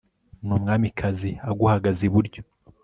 n'umwamikazi aguhagaze iburyo